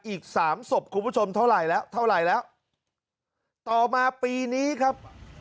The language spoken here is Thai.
อีกสามศพคุณผู้ชมเท่าไหร่แล้วเท่าไหร่แล้วต่อมาปีนี้ครับ